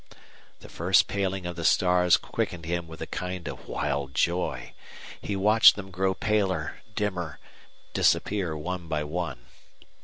The first paling of the stars quickened him with a kind of wild joy. He watched them grow paler, dimmer, disappear one by one.